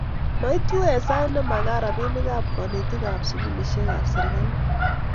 maitu eng' sait ne mekat robinikab konetikab sukulisiekab serikalit